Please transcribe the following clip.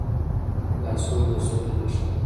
لاسونه د سولې نښه ده